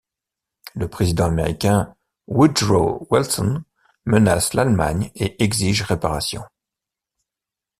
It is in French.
Le président américain Woodrow Wilson menace l'Allemagne et exige réparation.